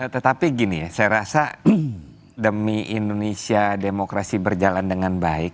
tetapi gini ya saya rasa demi indonesia demokrasi berjalan dengan baik